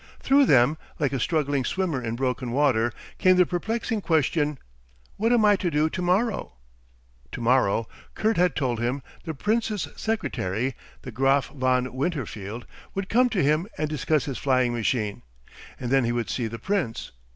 Through them, like a struggling swimmer in broken water, came the perplexing question, what am I to do to morrow? To morrow, Kurt had told him, the Prince's secretary, the Graf Von Winterfeld, would come to him and discuss his flying machine, and then he would see the Prince.